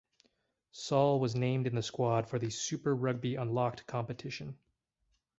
Saal was named in the squad for the Super Rugby Unlocked competition.